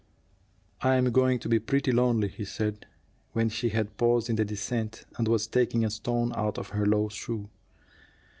"I'm going to be pretty lonely," he said, when she had paused in the descent and was taking a stone out of her low shoe.